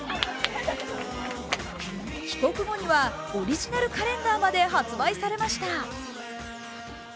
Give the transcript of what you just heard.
帰国後にはオリジナルカレンダーまで発売されました。